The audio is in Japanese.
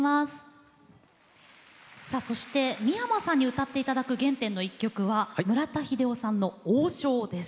そして三山さんに歌って頂く原点の一曲は村田英雄さんの「王将」です。